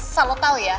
salah lo tau ya